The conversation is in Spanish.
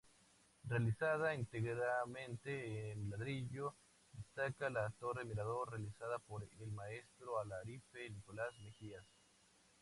Realizada íntegramente en ladrillo, destaca la torre-mirador, realizada por el maestro alarife Nicolás Mejías.